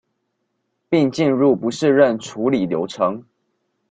並進入不適任處理流程